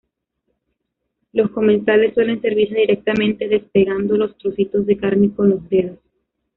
Los comensales suelen servirse directamente, despegando los trocitos de carne con los dedos.